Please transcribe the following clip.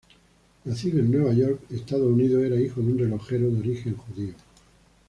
Nacido en Nueva York, Estados Unidos, era hijo de un relojero de origen judío.